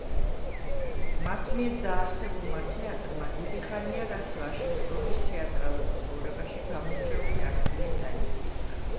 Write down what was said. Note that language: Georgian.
მათ მიერ დაარსებულმა თეატრმა დიდი ხანია, რაც ვაშინგტონის თეატრალურ ცხოვრებაში გამორჩეული ადგილი დაიმკვიდრა.